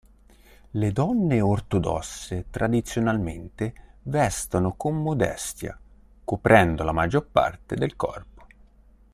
Le donne ortodosse tradizionalmente vestono con modestia, coprendo la maggior parte del corpo.